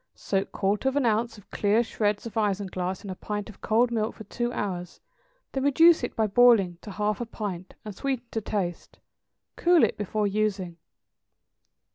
= Soak quarter of an ounce of clear shreds of isinglass in a pint of cold milk for two hours; then reduce it by boiling to half a pint, and sweeten to taste. Cool it before using.